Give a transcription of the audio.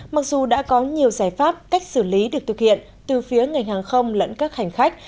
mặc dù đã có nhiều giải pháp cách xử lý được thực hiện từ phía ngành hàng không lẫn các hành khách